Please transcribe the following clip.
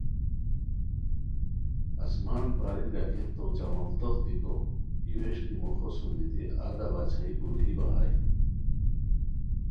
آسمان پری لاکھی تو چملتوخ دیکو ای ویݰکی موخو سوم دیتی آدھا باچھائی پولوئی بغائے